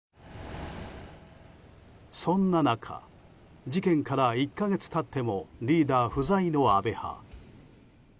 そんな中事件から１か月経ってもリーダー不在の安倍派。